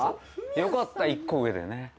よかった１個上でね。